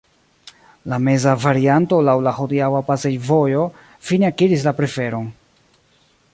La meza varianto laŭ la hodiaŭa pasejvojo fine akiris la preferon.